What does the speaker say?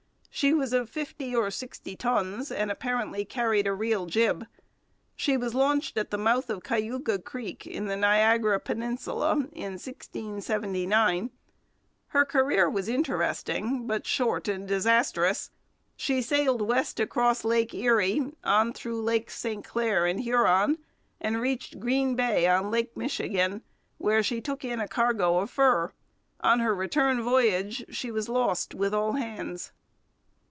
She was of fifty or sixty tons and apparently carried a real jib. She was launched at the mouth of Cayuga Creek in the Niagara peninsula in 1679. Her career was interesting, but short and disastrous. She sailed west across Lake Erie, on through Lakes St Clair and Huron, and reached Green Bay on Lake Michigan, where she took in a cargo of fur. On her return voyage she was lost with all hands.